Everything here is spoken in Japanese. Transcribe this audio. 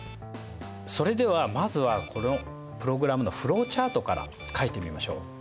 それではまずはこのプログラムのフローチャートから書いてみましょう。